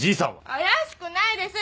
怪しくないです！